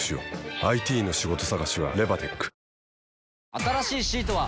新しいシートは。